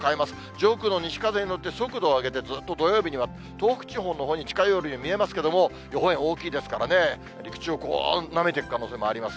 上空の西風に乗って、速度を上げてずっと土曜日には、東北地方のほうに近寄るように見えますけれども、予報円、大きいですからね、陸地をなめていく可能性もあります。